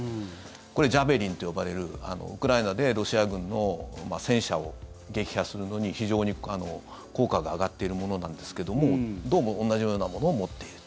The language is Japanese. これ、ジャベリンと呼ばれるウクライナでロシア軍の戦車を撃破するのに非常に効果が上がっているものなんですけどもどうも同じようなものを持っていると。